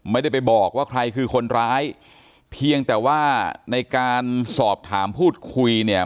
ไม่ได้ไปบอกว่าใครคือคนร้ายเพียงแต่ว่าในการสอบถามพูดคุยเนี่ย